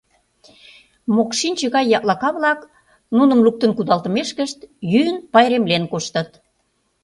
«Мокшинче гай яклака-влак», нуным луктын кудалтымешкышт, йӱын, пайремлен коштыт.